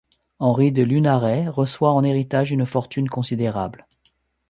Henri de Lunaret reçoit en héritage une fortune considérable.